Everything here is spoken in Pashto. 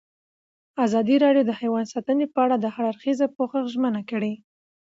ازادي راډیو د حیوان ساتنه په اړه د هر اړخیز پوښښ ژمنه کړې.